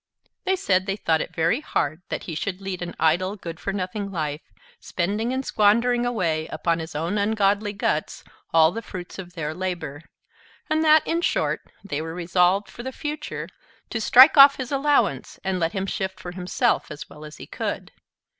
They said they thought it very hard that he should lead an idle, good for nothing life, spending and squandering away, upon his own ungodly guts, all the fruits of their labor; and that, in short, they were resolved, for the future, to strike off his allowance, and let him shift for himself as well as he could.